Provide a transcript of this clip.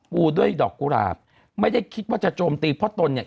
พูด้วยดอกกลาบในตนไตรไม่ได้คิดว่าจะโจมตีพ่อตนเนี่ย